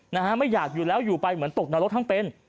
นะฮะไม่อยากอยู่แล้วอยู่ไปเหมือนตกนรกทั้งเป็น